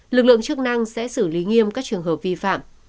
lực lượng chức năng sẽ xử lý nghiêm các trường hợp vi phạm